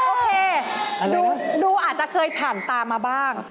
โอเคดูอาจจะเคยผ่านตามาบ้าง